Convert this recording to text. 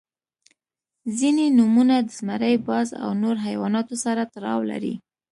• ځینې نومونه د زمری، باز او نور حیواناتو سره تړاو لري.